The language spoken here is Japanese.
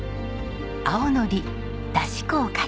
青のりだし粉をかけてどうぞ！